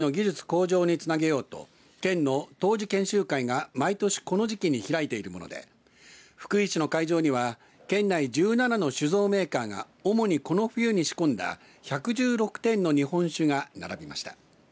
きき酒会は酒造りの技術向上につなげようと県の杜氏研修会が毎年この時期に開いているもので福井市の会場には県内１７の酒造メーカーが主にこの冬に仕込んだ１１６点の日本酒が並びました。